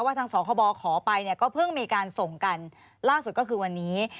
ทางสคบขอไปเนี่ยก็เพิ่งมีการส่งกันล่าสุดก็คือวันนี้